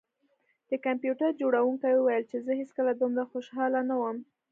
د کمپیوټر جوړونکي وویل چې زه هیڅکله دومره خوشحاله نه وم